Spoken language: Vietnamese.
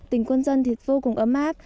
tình quân dân thì vô cùng ấm áp